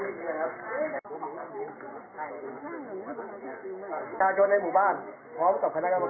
ไม่มีหัวคิดที่ว่าจะไปทำเขาแบบนั้น